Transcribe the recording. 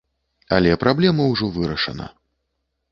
Але праблема ўжо вырашана.